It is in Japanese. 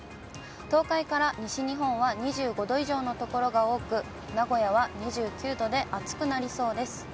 東海から西日本は２５度以上の所が多く、名古屋は２９度で暑くなりそうです。